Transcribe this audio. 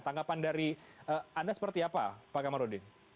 tanggapan dari anda seperti apa pak kamarudin